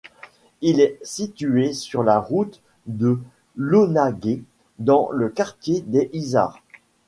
Il est situé sur la route de Launaguet dans le quartier des Izards.